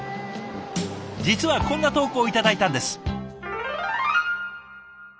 実はこんな投稿頂いたんです。